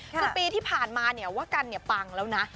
ก็ปีที่ผ่านมาว่ากัลณพัสปังแล้วนะ